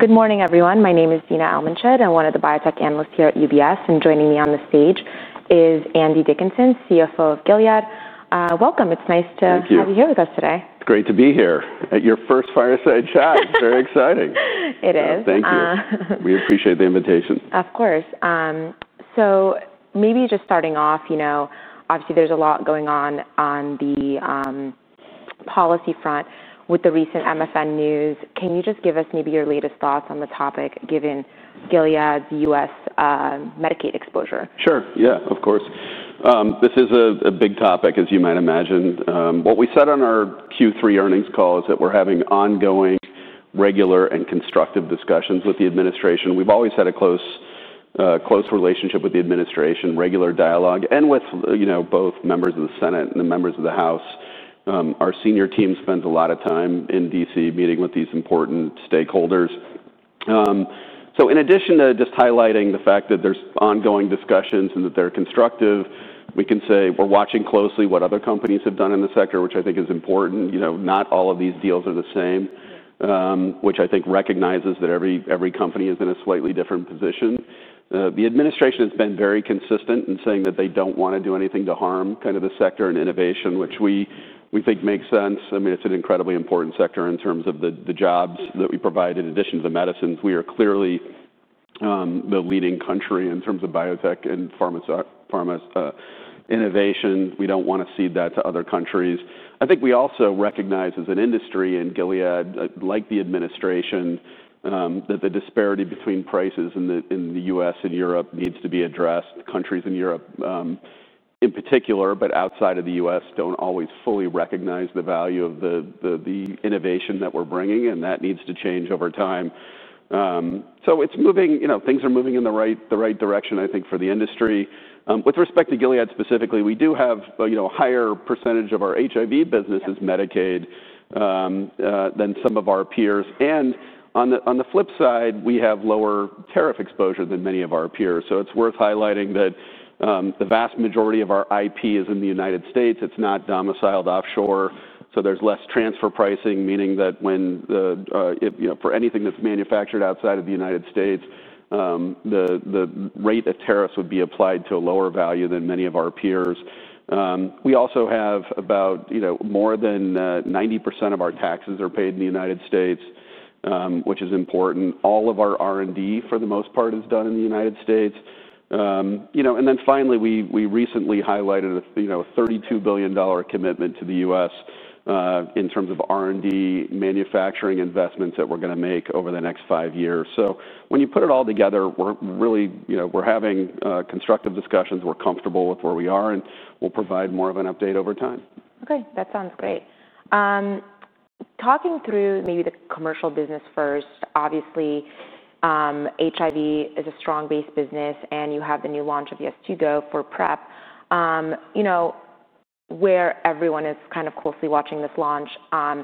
Good morning, everyone. My name is Dina Almondsched. I'm one of the biotech analysts here at UBS, and joining me on the stage is Andy Dickinson, CFO of Gilead Sciences. Welcome. It's nice to have you here with us today. Thank you. It's great to be here at your first fireside chat. It's very exciting. It is. Thank you. We appreciate the invitation. Of course. Maybe just starting off, obviously there's a lot going on on the policy front with the recent MFN news. Can you just give us maybe your latest thoughts on the topic, given Gilead's US Medicaid exposure? Sure. Yeah, of course. This is a big topic, as you might imagine. What we said on our Q3 earnings call is that we're having ongoing, regular, and constructive discussions with the administration. We've always had a close relationship with the administration, regular dialogue, and with both members of the Senate and the members of the House. Our senior team spends a lot of time in DC meeting with these important stakeholders. In addition to just highlighting the fact that there's ongoing discussions and that they're constructive, we can say we're watching closely what other companies have done in the sector, which I think is important. Not all of these deals are the same, which I think recognizes that every company is in a slightly different position. The administration has been very consistent in saying that they don't want to do anything to harm kind of the sector and innovation, which we think makes sense. I mean, it's an incredibly important sector in terms of the jobs that we provide. In addition to the medicines, we are clearly the leading country in terms of biotech and pharma innovation. We don't want to cede that to other countries. I think we also recognize as an industry in Gilead, like the administration, that the disparity between prices in the US and Europe needs to be addressed. Countries in Europe, in particular, but outside of the US, don't always fully recognize the value of the innovation that we're bringing, and that needs to change over time. Things are moving in the right direction, I think, for the industry. With respect to Gilead specifically, we do have a higher percentage of our HIV business as Medicaid than some of our peers. On the flip side, we have lower tariff exposure than many of our peers. It is worth highlighting that the vast majority of our IP is in the United States. It is not domiciled offshore. There is less transfer pricing, meaning that for anything that is manufactured outside of the United States, the rate of tariffs would be applied to a lower value than many of our peers. We also have about more than 90% of our taxes are paid in the United States, which is important. All of our R&D, for the most part, is done in the United States. Finally, we recently highlighted a $32 billion commitment to the US in terms of R&D manufacturing investments that we are going to make over the next five years. When you put it all together, we're having constructive discussions. We're comfortable with where we are, and we'll provide more of an update over time. Okay. That sounds great. Talking through maybe the commercial business first, obviously HIV is a strong-based business, and you have the new launch of Yeztugo for PrEP. Where everyone is kind of closely watching this launch,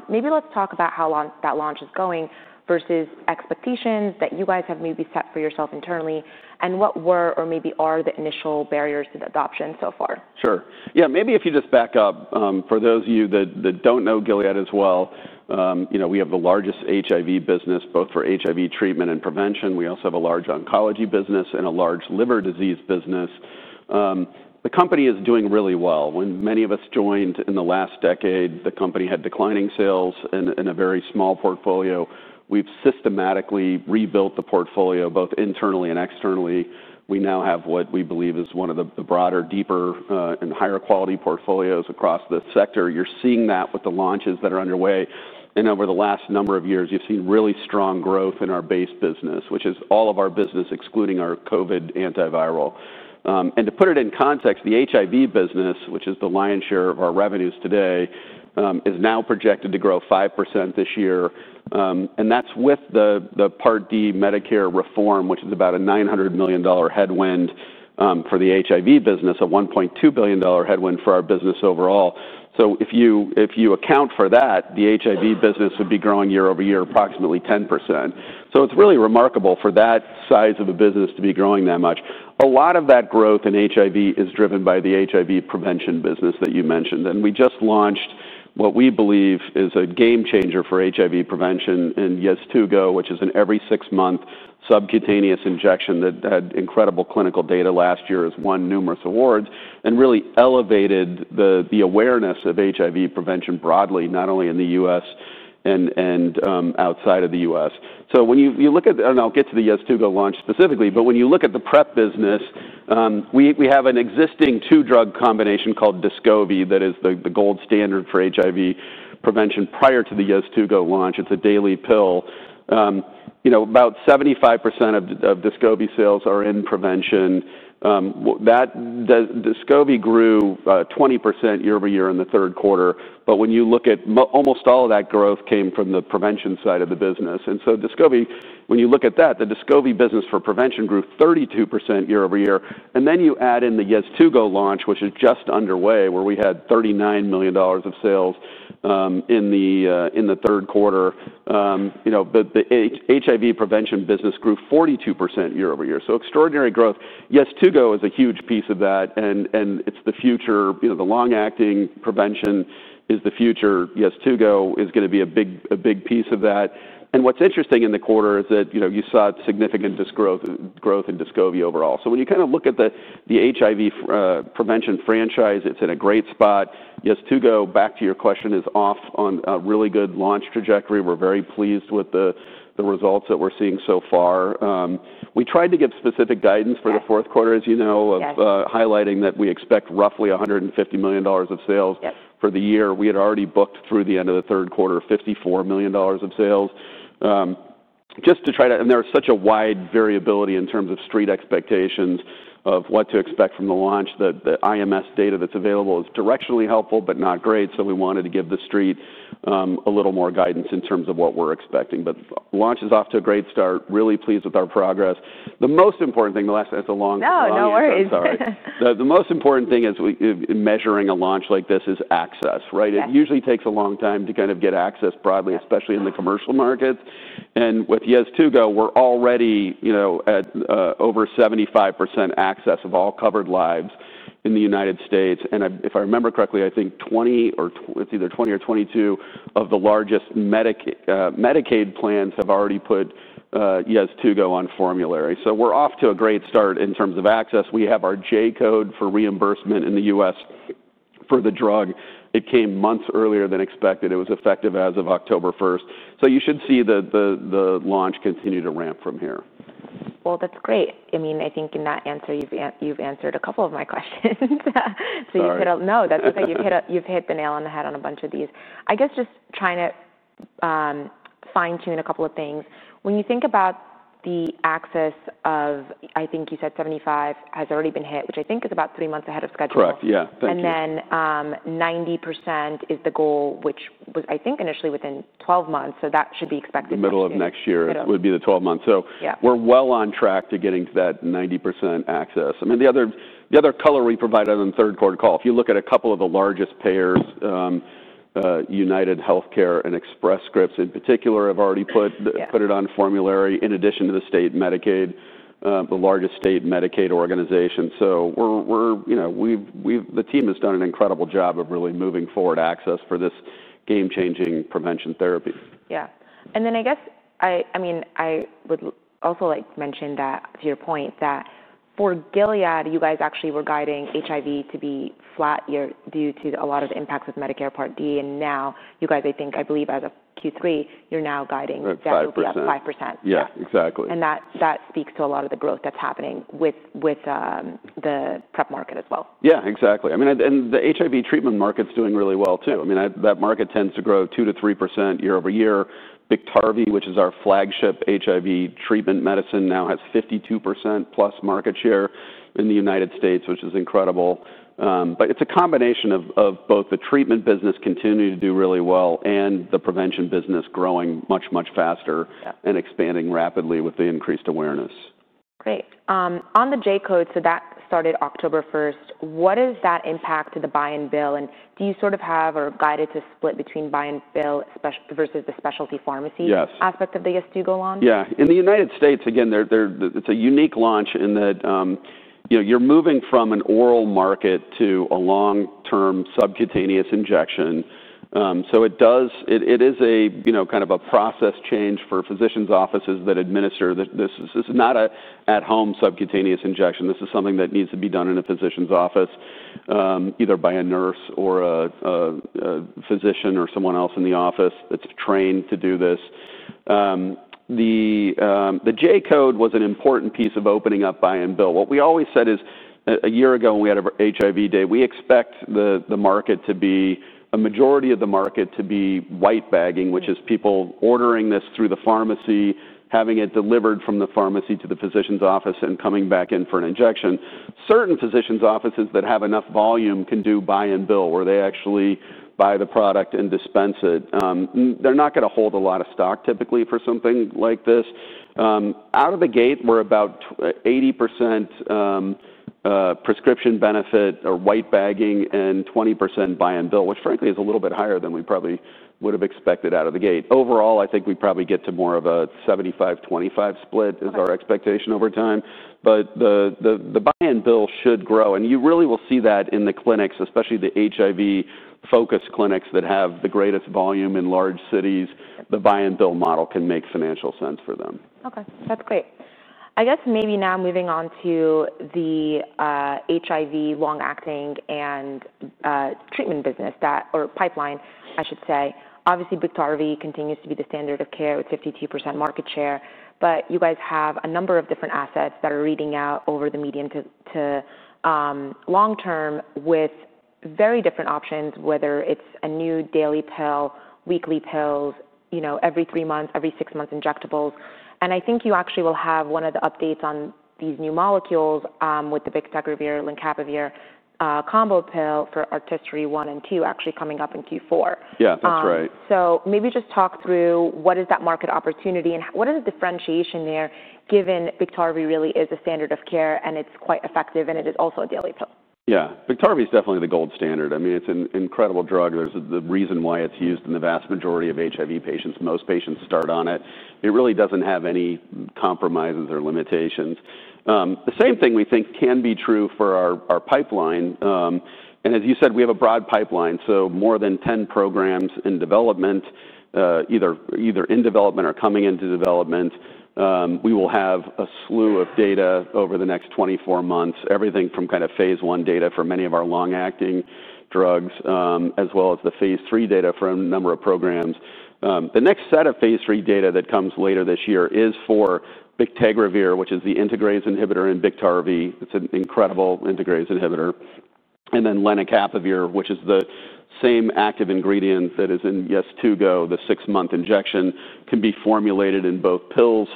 maybe let's talk about how that launch is going versus expectations that you guys have maybe set for yourself internally. What were or maybe are the initial barriers to the adoption so far? Sure. Yeah. Maybe if you just back up, for those of you that don't know Gilead as well, we have the largest HIV business, both for HIV treatment and prevention. We also have a large oncology business and a large liver disease business. The company is doing really well. When many of us joined in the last decade, the company had declining sales and a very small portfolio. We've systematically rebuilt the portfolio both internally and externally. We now have what we believe is one of the broader, deeper, and higher quality portfolios across the sector. You're seeing that with the launches that are underway. Over the last number of years, you've seen really strong growth in our base business, which is all of our business, excluding our COVID antiviral. To put it in context, the HIV business, which is the lion's share of our revenues today, is now projected to grow 5% this year. That is with the Part D Medicare reform, which is about a $900 million headwind for the HIV business, a $1.2 billion headwind for our business overall. If you account for that, the HIV business would be growing year over year approximately 10%. It is really remarkable for that size of a business to be growing that much. A lot of that growth in HIV is driven by the HIV prevention business that you mentioned. We just launched what we believe is a game changer for HIV prevention in Yeztugo, which is an every six-month subcutaneous injection that had incredible clinical data last year, has won numerous awards, and really elevated the awareness of HIV prevention broadly, not only in the U.S. and outside of the U.S. When you look at, and I'll get to the Yeztugo launch specifically, when you look at the PrEP business, we have an existing two-drug combination called Descovy that is the gold standard for HIV prevention prior to the Yeztugo launch. It's a daily pill. About 75% of Descovy sales are in prevention. Descovy grew 20% year over year in the third quarter. When you look at it, almost all of that growth came from the prevention side of the business. Descovy, when you look at that, the Descovy business for prevention grew 32% year over year. You add in the Yeztugo launch, which is just underway, where we had $39 million of sales in the third quarter. The HIV prevention business grew 42% year over year. Extraordinary growth. Yeztugo is a huge piece of that, and it's the future. The long-acting prevention is the future. Yeztugo is going to be a big piece of that. What's interesting in the quarter is that you saw significant growth in Descovy overall. When you kind of look at the HIV prevention franchise, it's in a great spot. Yeztugo, back to your question, is off on a really good launch trajectory. We're very pleased with the results that we're seeing so far. We tried to give specific guidance for the fourth quarter, as you know, highlighting that we expect roughly $150 million of sales for the year. We had already booked through the end of the third quarter $54 million of sales. Just to try to, and there is such a wide variability in terms of street expectations of what to expect from the launch, that the IMS data that's available is directionally helpful, but not great. We wanted to give the street a little more guidance in terms of what we're expecting. Launch is off to a great start. Really pleased with our progress. The most important thing, the last, that's a long time. No, no worries. Sorry. The most important thing is measuring a launch like this is access, right? It usually takes a long time to kind of get access broadly, especially in the commercial markets. With Yeztugo, we're already at over 75% access of all covered lives in the United States. If I remember correctly, I think 20 or it's either 20 or 22 of the largest Medicaid plans have already put Yeztugo on formulary. We're off to a great start in terms of access. We have our J code for reimbursement in the US for the drug. It came months earlier than expected. It was effective as of October 1. You should see the launch continue to ramp from here. That's great. I mean, I think in that answer, you've answered a couple of my questions. You've hit a, no, that's okay. You've hit the nail on the head on a bunch of these. I guess just trying to fine-tune a couple of things. When you think about the access of, I think you said 75% has already been hit, which I think is about three months ahead of schedule. Correct. Yeah. Thank you. 90% is the goal, which was, I think, initially within 12 months. That should be expected this year. Middle of next year would be the 12 months. So we're well on track to getting to that 90% access. I mean, the other color we provided on the third quarter call, if you look at a couple of the largest payers, UnitedHealthcare and Express Scripts in particular have already put it on formulary in addition to the state Medicaid, the largest state Medicaid organization. So the team has done an incredible job of really moving forward access for this game-changing prevention therapy. Yeah. I mean, I would also like to mention that to your point, that for Gilead, you guys actually were guiding HIV to be flat due to a lot of impacts with Medicare Part D. Now you guys, I think, I believe as of Q3, you're now guiding down to about 5%. 5%. Yeah, exactly. That speaks to a lot of the growth that's happening with the PrEP market as well. Yeah, exactly. I mean, and the HIV treatment market's doing really well too. I mean, that market tends to grow 2%-3% year over year. Biktarvy, which is our flagship HIV treatment medicine, now has 52% plus market share in the United States, which is incredible. But it's a combination of both the treatment business continuing to do really well and the prevention business growing much, much faster and expanding rapidly with the increased awareness. Great. On the J code, so that started October 1. What is that impact to the buy-and-bill? And do you sort of have or guide it to split between buy-and-bill versus the specialty pharmacy aspect of the Yeztugo launch? Yes. Yeah. In the United States, again, it's a unique launch in that you're moving from an oral market to a long-term subcutaneous injection. It is a kind of a process change for physicians' offices that administer this. This is not an at-home subcutaneous injection. This is something that needs to be done in a physician's office, either by a nurse or a physician or someone else in the office that's trained to do this. The J code was an important piece of opening up buy-and-bill. What we always said is a year ago when we had our HIV Day, we expect the market to be, a majority of the market to be white bagging, which is people ordering this through the pharmacy, having it delivered from the pharmacy to the physician's office and coming back in for an injection. Certain physicians' offices that have enough volume can do buy-and-bill, where they actually buy the product and dispense it. They're not going to hold a lot of stock typically for something like this. Out of the gate, we're about 80% prescription benefit or white bagging and 20% buy-and-bill, which frankly is a little bit higher than we probably would have expected out of the gate. Overall, I think we probably get to more of a 75-25 split is our expectation over time. The buy-and-bill should grow. You really will see that in the clinics, especially the HIV-focused clinics that have the greatest volume in large cities. The buy-and-bill model can make financial sense for them. Okay. That's great. I guess maybe now moving on to the HIV long-acting and treatment business or pipeline, I should say. Obviously, Biktarvy continues to be the standard of care with 52% market share. You guys have a number of different assets that are reading out over the medium to long term with very different options, whether it's a new daily pill, weekly pills, every three months, every six months injectables. I think you actually will have one of the updates on these new molecules with the Bictegravir, Lenacapavir combo pill for ARTISTRY-1 and ARTISTRY-2 actually coming up in Q4. Yeah, that's right. Maybe just talk through what is that market opportunity and what is the differentiation there given Biktarvy really is a standard of care and it's quite effective and it is also a daily pill? Yeah. Biktarvy is definitely the gold standard. I mean, it's an incredible drug. The reason why it's used in the vast majority of HIV patients, most patients start on it. It really doesn't have any compromises or limitations. The same thing we think can be true for our pipeline. As you said, we have a broad pipeline. More than 10 programs in development, either in development or coming into development. We will have a slew of data over the next 24 months, everything from kind of Phase I data for many of our long-acting drugs as well as the Phase III data for a number of programs. The next set of Phase III data that comes later this year is for Bictegravir, which is the integrase inhibitor in Biktarvy. It's an incredible integrase inhibitor. Lenacapavir, which is the same active ingredient that is in Yeztugo, the six-month injection, can be formulated in both pills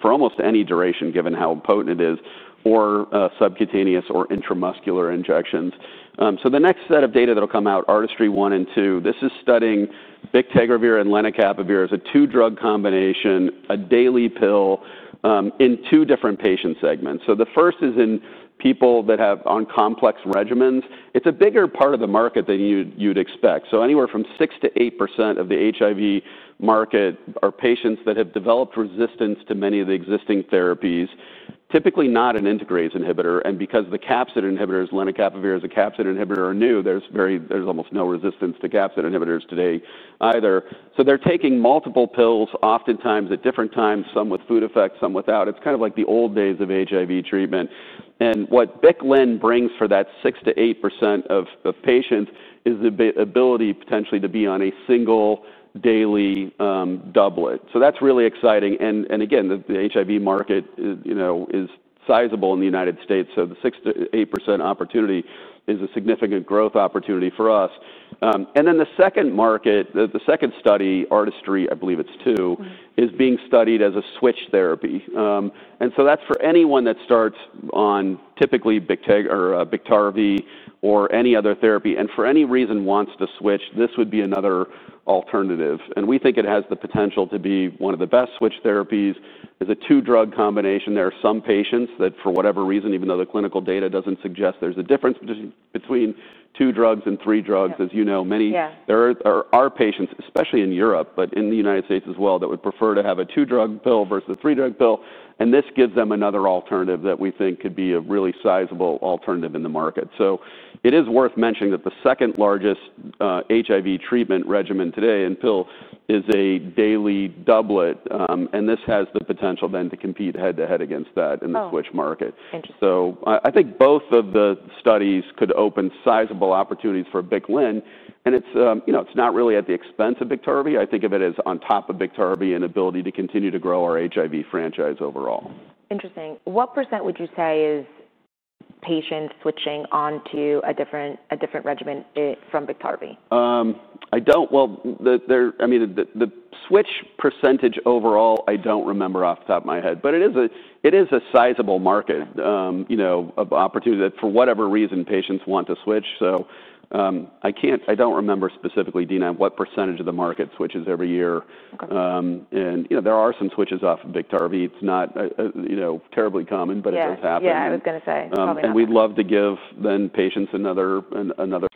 for almost any duration given how potent it is, or subcutaneous or intramuscular injections. The next set of data that'll come out, ARTISTRY-1 and ARTISTRY-2, is studying Biktarvy and Lenacapavir as a two-drug combination, a daily pill in two different patient segments. The first is in people that have on complex regimens. It's a bigger part of the market than you'd expect. Anywhere from 6%-8% of the HIV market are patients that have developed resistance to many of the existing therapies, typically not an integrase inhibitor. Because the capsid inhibitors, Lenacapavir is a capsid inhibitor, are new, there's almost no resistance to capsid inhibitors today either. They're taking multiple pills oftentimes at different times, some with food effects, some without. It's kind of like the old days of HIV treatment. What Biklin brings for that 6%-8% of patients is the ability potentially to be on a single daily doublet. That's really exciting. Again, the HIV market is sizable in the United States. The 6%-8% opportunity is a significant growth opportunity for us. The second market, the second study, Artistry, I believe it's two, is being studied as a switch therapy. That's for anyone that starts on typically Biktarvy or any other therapy and for any reason wants to switch, this would be another alternative. We think it has the potential to be one of the best switch therapies. It's a two-drug combination. There are some patients that for whatever reason, even though the clinical data does not suggest there is a difference between two drugs and three drugs, as you know, many there are patients, especially in Europe, but in the United States as well, that would prefer to have a two-drug pill versus a three-drug pill. This gives them another alternative that we think could be a really sizable alternative in the market. It is worth mentioning that the second largest HIV treatment regimen today and pill is a daily doublet. This has the potential then to compete head-to-head against that in the switch market. I think both of the studies could open sizable opportunities for Biklen. It is not really at the expense of Biktarvy. I think of it as on top of Biktarvy and ability to continue to grow our HIV franchise overall. Interesting. What percent would you say is patients switching onto a different regimen from Biktarvy? I don't, I mean, the switch percentage overall, I don't remember off the top of my head. But it is a sizable market of opportunity that for whatever reason patients want to switch. So I don't remember specifically, Dina, what percentage of the market switches every year. And there are some switches off of Biktarvy. It's not terribly common, but it does happen. Yeah, I was going to say. We'd love to give then patients another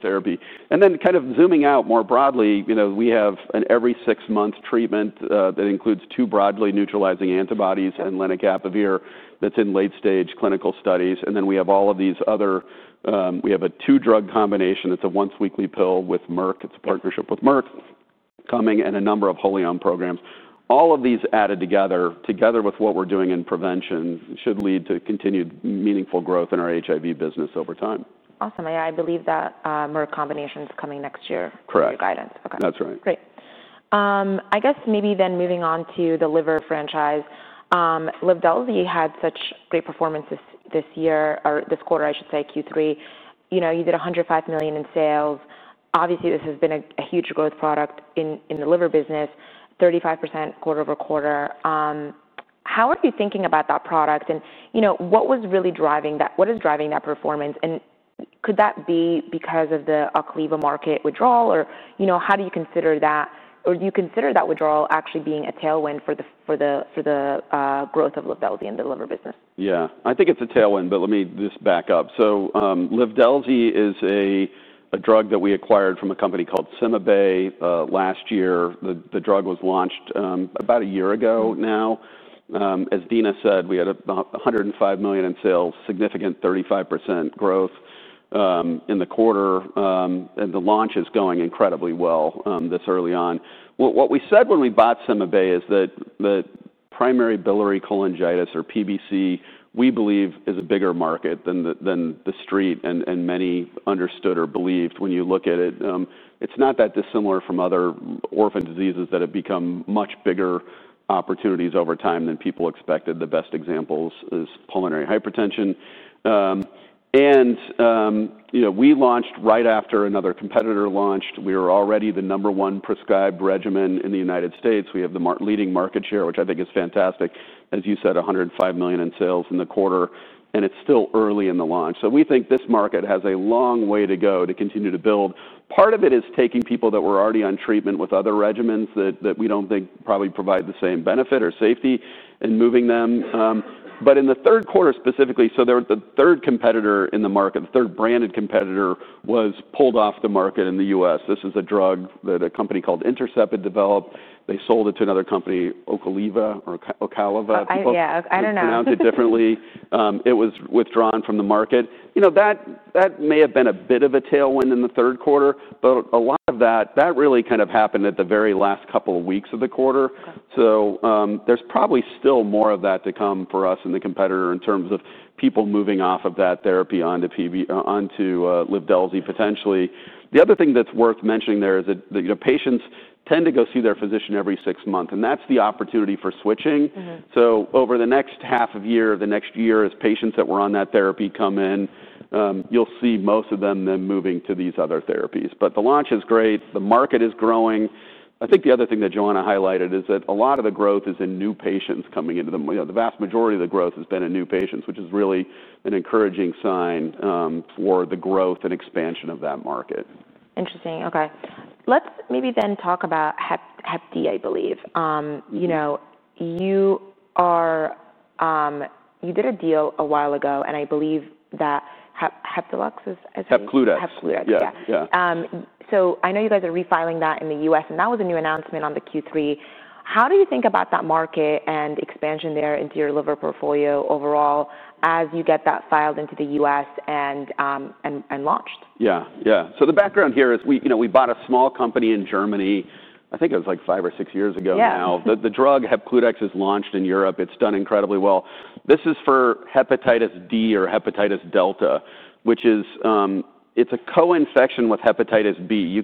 therapy. Kind of zooming out more broadly, we have an every six-month treatment that includes two broadly neutralizing antibodies and Lenacapavir that's in late-stage clinical studies. We have all of these other, we have a two-drug combination. It's a once-weekly pill with Merck. It's a partnership with Merck coming and a number of Holyomb programs. All of these added together, together with what we're doing in prevention, should lead to continued meaningful growth in our HIV business over time. Awesome. I believe that Merck combination is coming next year for your guidance. Correct. That's right. Great. I guess maybe then moving on to the liver franchise. Livdelzi had such great performance this year or this quarter, I should say, Q3. You did $105 million in sales. Obviously, this has been a huge growth product in the liver business, 35% quarter over quarter. How are you thinking about that product? And what was really driving that? What is driving that performance? And could that be because of the Ocaliva market withdrawal? Or how do you consider that? Or do you consider that withdrawal actually being a tailwind for the growth of Livdelzi in the liver business? Yeah. I think it's a tailwind, but let me just back up. Livdelzi is a drug that we acquired from a company called CymaBay last year. The drug was launched about a year ago now. As Dina said, we had about $105 million in sales, significant 35% growth in the quarter. The launch is going incredibly well this early on. What we said when we bought CymaBay is that primary biliary cholangitis or PBC, we believe, is a bigger market than the street and many understood or believed when you look at it. It's not that dissimilar from other orphan diseases that have become much bigger opportunities over time than people expected. The best example is pulmonary hypertension. We launched right after another competitor launched. We were already the number one prescribed regimen in the United States. We have the leading market share, which I think is fantastic. As you said, $105 million in sales in the quarter. It is still early in the launch. We think this market has a long way to go to continue to build. Part of it is taking people that were already on treatment with other regimens that we do not think probably provide the same benefit or safety and moving them. In the third quarter specifically, the third competitor in the market, the third branded competitor, was pulled off the market in the US. This is a drug that a company called Intercept had developed. They sold it to another company, Ocaliva or Ocaliva. I don't know. Pronounced it differently. It was withdrawn from the market. That may have been a bit of a tailwind in the third quarter, but a lot of that really kind of happened at the very last couple of weeks of the quarter. There is probably still more of that to come for us and the competitor in terms of people moving off of that therapy onto Livdelzi potentially. The other thing that's worth mentioning there is that patients tend to go see their physician every six months. That is the opportunity for switching. Over the next half of year, the next year as patients that were on that therapy come in, you'll see most of them then moving to these other therapies. The launch is great. The market is growing. I think the other thing that Johanna highlighted is that a lot of the growth is in new patients coming into the market. The vast majority of the growth has been in new patients, which is really an encouraging sign for the growth and expansion of that market. Interesting. Okay. Let's maybe then talk about Hep D, I believe. You did a deal a while ago, and I believe that Hepcludex is? Hepcludex. Hepcludex, yeah. I know you guys are refiling that in the US, and that was a new announcement on the Q3. How do you think about that market and expansion there into your liver portfolio overall as you get that filed into the US and launched? Yeah. Yeah. The background here is we bought a small company in Germany. I think it was like five or six years ago now. The drug Hepcludex is launched in Europe. It's done incredibly well. This is for hepatitis D or hepatitis Delta, which is a co-infection with hepatitis B.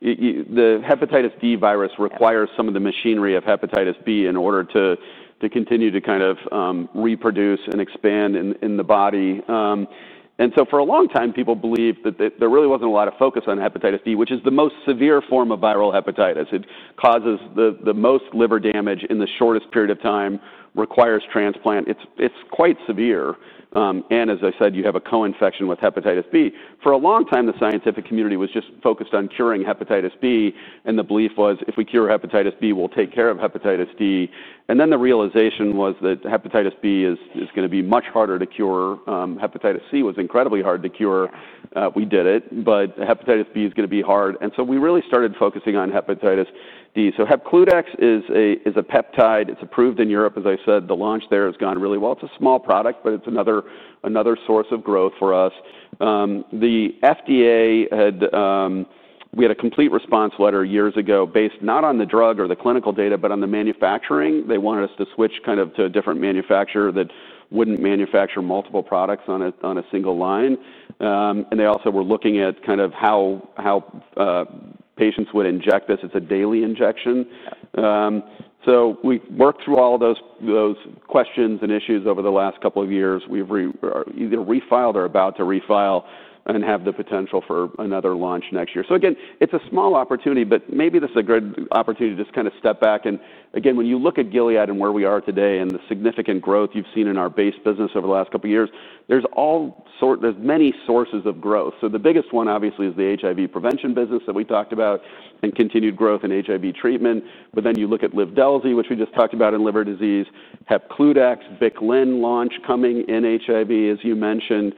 The hepatitis D virus requires some of the machinery of hepatitis B in order to continue to kind of reproduce and expand in the body. For a long time, people believed that there really wasn't a lot of focus on hepatitis D, which is the most severe form of viral hepatitis. It causes the most liver damage in the shortest period of time, requires transplant. It's quite severe. As I said, you have a co-infection with hepatitis B. For a long time, the scientific community was just focused on curing hepatitis B, and the belief was if we cure hepatitis B, we'll take care of hepatitis D. Then the realization was that hepatitis B is going to be much harder to cure. Hepatitis C was incredibly hard to cure. We did it, but hepatitis B is going to be hard. We really started focusing on hepatitis D. Hepcludex is a peptide. It's approved in Europe, as I said. The launch there has gone really well. It's a small product, but it's another source of growth for us. The FDA had, we had a complete response letter years ago based not on the drug or the clinical data, but on the manufacturing. They wanted us to switch kind of to a different manufacturer that would not manufacture multiple products on a single line. They also were looking at kind of how patients would inject this. It's a daily injection. We worked through all of those questions and issues over the last couple of years. We've either refiled or are about to refile and have the potential for another launch next year. Again, it's a small opportunity, but maybe this is a good opportunity to just kind of step back. Again, when you look at Gilead and where we are today and the significant growth you've seen in our base business over the last couple of years, there are many sources of growth. The biggest one, obviously, is the HIV prevention business that we talked about and continued growth in HIV treatment. Then you look at Livdelzi, which we just talked about in liver disease, Hepcludex, Biklen launch coming in HIV, as you mentioned.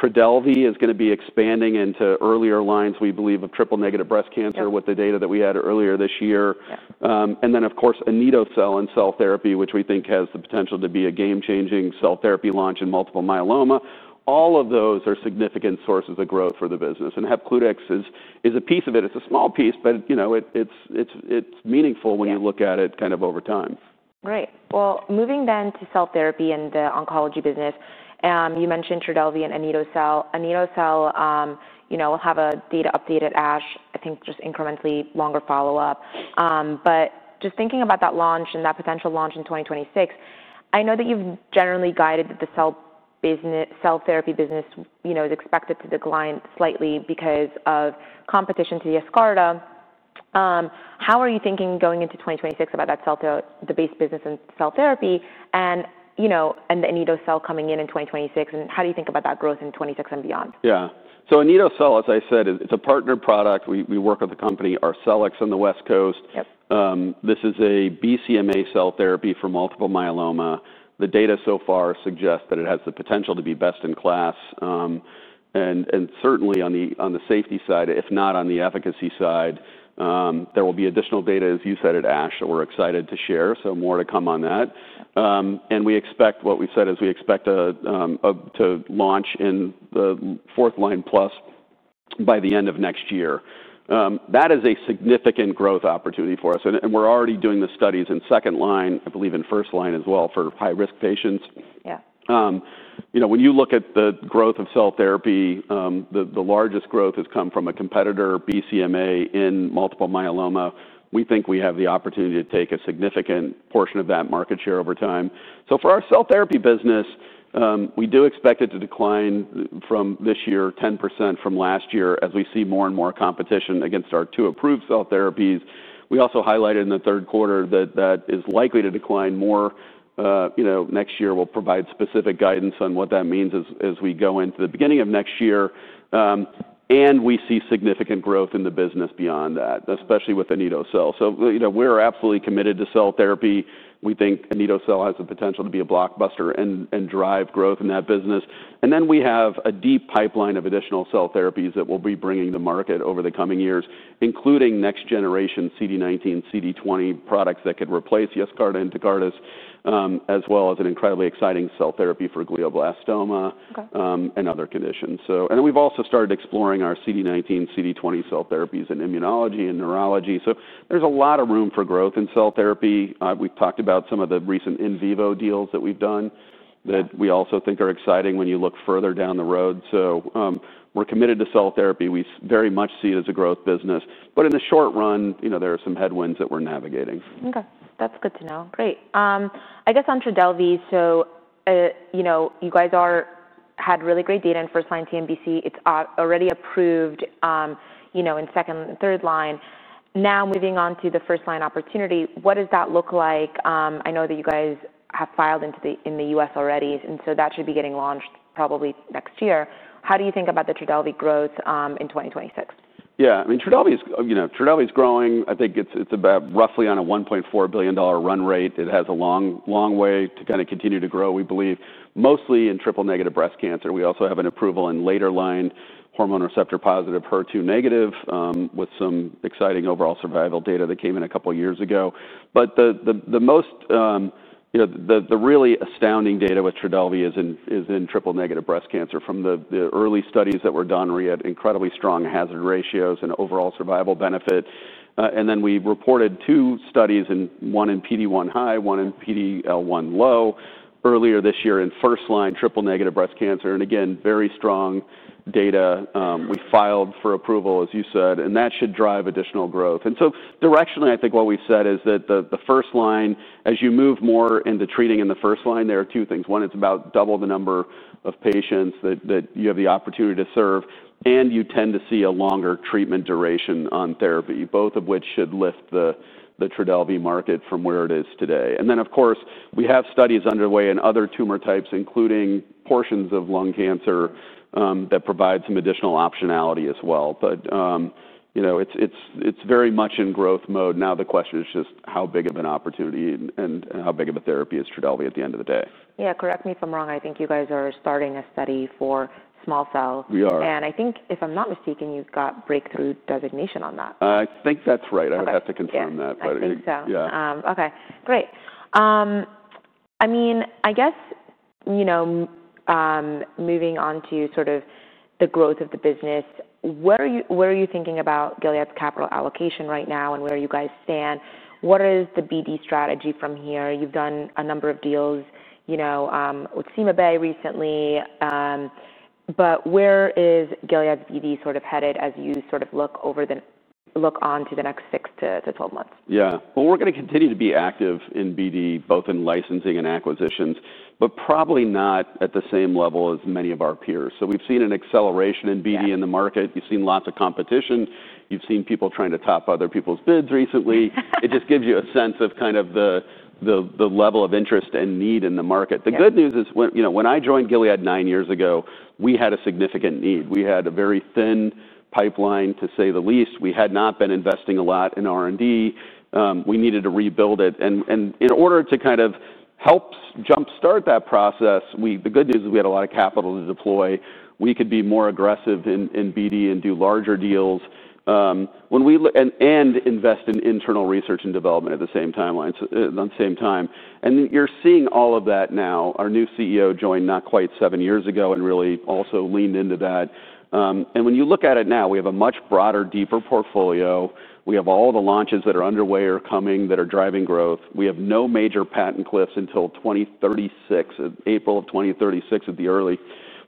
Trodelvy is going to be expanding into earlier lines, we believe, of triple-negative breast cancer with the data that we had earlier this year. Then, of course, anito-cel and cell therapy, which we think has the potential to be a game-changing cell therapy launch in multiple myeloma. All of those are significant sources of growth for the business. Hepcludex is a piece of it. It is a small piece, but it is meaningful when you look at it kind of over time. Right. Moving then to cell therapy and the oncology business, you mentioned Trodelvy and anito-cel. Anito-cel will have a data update at ASH, I think just incrementally longer follow-up. Just thinking about that launch and that potential launch in 2026, I know that you've generally guided that the cell therapy business is expected to decline slightly because of competition to the Yescarta. How are you thinking going into 2026 about that cell therapy, the base business and cell therapy, and the anito-cel coming in in 2026? How do you think about that growth in 2026 and beyond? Yeah. Anito-cel, as I said, it's a partner product. We work with the company Arcellx on the West Coast. This is a BCMA cell therapy for multiple myeloma. The data so far suggest that it has the potential to be best in class. Certainly on the safety side, if not on the efficacy side, there will be additional data, as you said, at ASH that we're excited to share. More to come on that. We expect what we said is we expect to launch in the fourth line plus by the end of next year. That is a significant growth opportunity for us. We're already doing the studies in second line, I believe in first line as well for high-risk patients. When you look at the growth of cell therapy, the largest growth has come from a competitor, BCMA in multiple myeloma. We think we have the opportunity to take a significant portion of that market share over time. For our cell therapy business, we do expect it to decline this year 10% from last year as we see more and more competition against our two approved cell therapies. We also highlighted in the third quarter that that is likely to decline more next year. We'll provide specific guidance on what that means as we go into the beginning of next year. We see significant growth in the business beyond that, especially with anito-cel. We are absolutely committed to cell therapy. We think anito-cel has the potential to be a blockbuster and drive growth in that business. We have a deep pipeline of additional cell therapies that we'll be bringing to market over the coming years, including next-generation CD19, CD20 products that could replace Yescarta and Tecartus, as well as an incredibly exciting cell therapy for glioblastoma and other conditions. We've also started exploring our CD19, CD20 cell therapies in immunology and neurology. There is a lot of room for growth in cell therapy. We've talked about some of the recent in vivo deals that we've done that we also think are exciting when you look further down the road. We're committed to cell therapy. We very much see it as a growth business. In the short run, there are some headwinds that we're navigating. Okay. That's good to know. Great. I guess on Trodelvy, so you guys had really great data in first line TNBC. It's already approved in second and third line. Now moving on to the first line opportunity, what does that look like? I know that you guys have filed in the US already, and so that should be getting launched probably next year. How do you think about the Trodelvy growth in 2026? Yeah. I mean, Trodelvy is growing. I think it's about roughly on a $1.4 billion run rate. It has a long way to kind of continue to grow, we believe, mostly in triple negative breast cancer. We also have an approval in later line hormone receptor positive HER2 negative with some exciting overall survival data that came in a couple of years ago. The most, the really astounding data with Trodelvy is in triple negative breast cancer. From the early studies that were done, we had incredibly strong hazard ratios and overall survival benefit. We reported two studies, one in PD1 high, one in PDL1 low earlier this year in first line triple negative breast cancer. Again, very strong data. We filed for approval, as you said, and that should drive additional growth. Directionally, I think what we said is that the first line, as you move more into treating in the first line, there are two things. One, it is about double the number of patients that you have the opportunity to serve, and you tend to see a longer treatment duration on therapy, both of which should lift the Trodelvy market from where it is today. Of course, we have studies underway in other tumor types, including portions of lung cancer that provide some additional optionality as well. It is very much in growth mode. Now the question is just how big of an opportunity and how big of a therapy is Trodelvy at the end of the day? Yeah. Correct me if I'm wrong. I think you guys are starting a study for small cells. We are. I think if I'm not mistaken, you've got breakthrough designation on that. I think that's right. I would have to confirm that. Okay. Great. I mean, I guess moving on to sort of the growth of the business, what are you thinking about Gilead's capital allocation right now and where you guys stand? What is the BD strategy from here? You've done a number of deals with CymaBay recently, but where is Gilead's BD sort of headed as you sort of look on to the next 6 to 12 months? Yeah. We are going to continue to be active in BD, both in licensing and acquisitions, but probably not at the same level as many of our peers. We have seen an acceleration in BD in the market. You have seen lots of competition. You have seen people trying to top other people's bids recently. It just gives you a sense of kind of the level of interest and need in the market. The good news is when I joined Gilead nine years ago, we had a significant need. We had a very thin pipeline, to say the least. We had not been investing a lot in R&D. We needed to rebuild it. In order to kind of help jumpstart that process, the good news is we had a lot of capital to deploy. We could be more aggressive in BD and do larger deals and invest in internal research and development at the same timeline. You are seeing all of that now. Our new CEO joined not quite seven years ago and really also leaned into that. When you look at it now, we have a much broader, deeper portfolio. We have all the launches that are underway or coming that are driving growth. We have no major patent cliffs until April of 2036 at the early,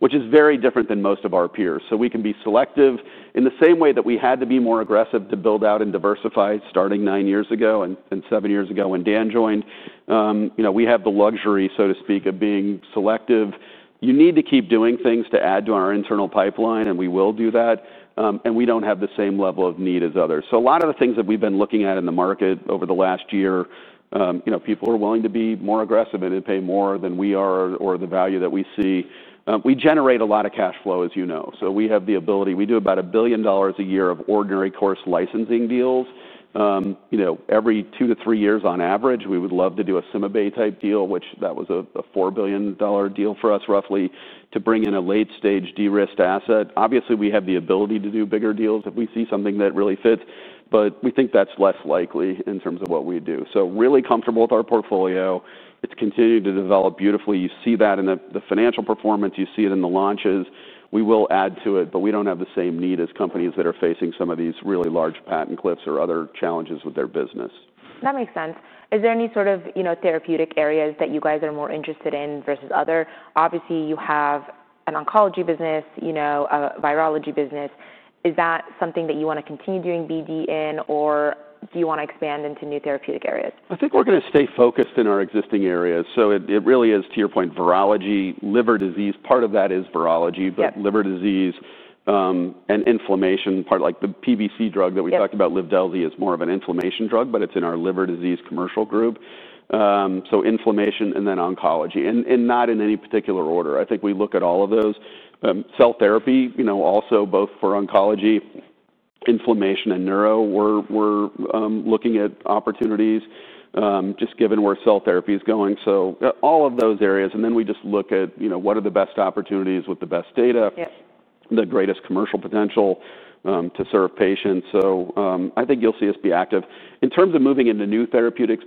which is very different than most of our peers. We can be selective in the same way that we had to be more aggressive to build out and diversify starting nine years ago and seven years ago when Dan joined. We have the luxury, so to speak, of being selective. You need to keep doing things to add to our internal pipeline, and we will do that. We do not have the same level of need as others. A lot of the things that we have been looking at in the market over the last year, people are willing to be more aggressive and pay more than we are or the value that we see. We generate a lot of cash flow, as you know. We have the ability. We do about $1 billion a year of ordinary course licensing deals. Every two to three years on average, we would love to do a CymaBay type deal, which that was a $4 billion deal for us roughly to bring in a late-stage de-risked asset. Obviously, we have the ability to do bigger deals if we see something that really fits, but we think that's less likely in terms of what we do. Really comfortable with our portfolio. It's continued to develop beautifully. You see that in the financial performance. You see it in the launches. We will add to it, but we don't have the same need as companies that are facing some of these really large patent cliffs or other challenges with their business. That makes sense. Is there any sort of therapeutic areas that you guys are more interested in versus other? Obviously, you have an oncology business, a virology business. Is that something that you want to continue doing BD in, or do you want to expand into new therapeutic areas? I think we're going to stay focused in our existing areas. It really is, to your point, virology, liver disease. Part of that is virology, but liver disease and inflammation. The PBC drug that we talked about, Livdelzi, is more of an inflammation drug, but it's in our liver disease commercial group. Inflammation and then oncology, and not in any particular order. I think we look at all of those. Cell therapy also, both for oncology, inflammation, and neuro. We're looking at opportunities just given where cell therapy is going. All of those areas. We just look at what are the best opportunities with the best data, the greatest commercial potential to serve patients. I think you'll see us be active. In terms of moving into new therapeutic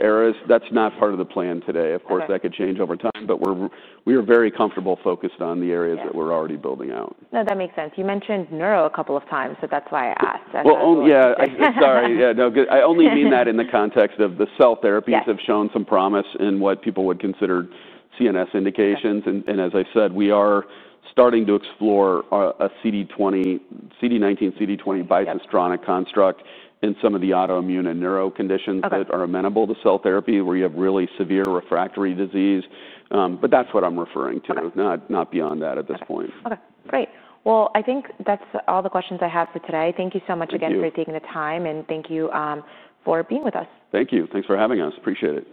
areas, that's not part of the plan today. Of course, that could change over time, but we are very comfortable focused on the areas that we're already building out. No, that makes sense. You mentioned neuro a couple of times, so that's why I asked. Yeah. Sorry. Yeah. No, I only mean that in the context of the cell therapies have shown some promise in what people would consider CNS indications. As I said, we are starting to explore a CD19, CD20 bicistronic construct in some of the autoimmune and neuro conditions that are amenable to cell therapy where you have really severe refractory disease. That is what I am referring to, not beyond that at this point. Okay. Great. I think that's all the questions I have for today. Thank you so much again for taking the time, and thank you for being with us. Thank you. Thanks for having us. Appreciate it.